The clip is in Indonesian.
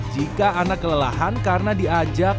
jika anak kelelahan karena diajak